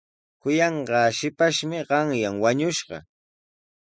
Kuyanqaa shipashmi qanyan wañushqa.